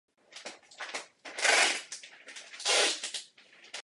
Následující rok přestoupil do mexického Atlasu Guadalajara.